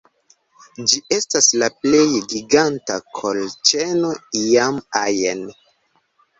Ĝi estas la plej giganta kolĉeno iam ajn